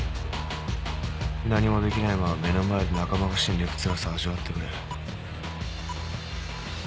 「何もできないまま目の前で仲間が死んでいくつらさを味わってくれ」